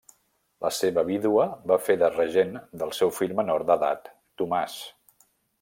La seva vídua va fer de regent del seu fill menor d'edat Tomàs.